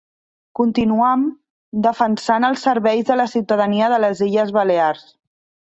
Continuam defensant els serveis de la ciutadania de les Illes Balears.